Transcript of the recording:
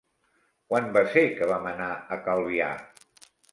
Quan va ser que vam anar a Calvià?